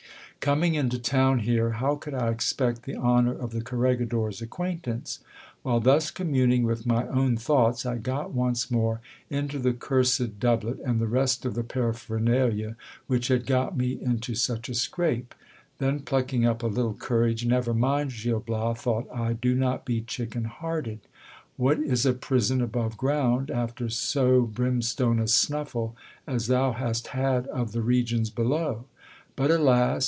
Coming into town here, how could I expect the honour of the corregidor's acquaintance ? While thus communing with my own thoughts, I got once more into the cursed doublet and the rest of the paraphernalia which had got me into such a scrape ; then plucking up a little courage, never mind, Gil Bias, thought I, do not be chicken hearted. What is a prison above ground, after so brimstone a snuffle as thou hast had of the regions below ? But, alas